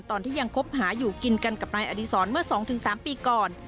ตอนที่ยังคบหาอยู่กินกันกับนายอดีศรเมื่อ๒๓ปีก่อน